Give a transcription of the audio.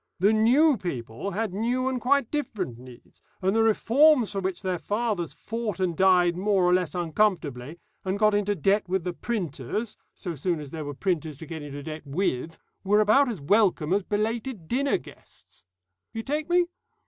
The new people had new and quite different needs, and the reforms for which their fathers fought and died more or less uncomfortably, and got into debt with the printers, so soon as there were printers to get into debt with, were about as welcome as belated dinner guests. You take me?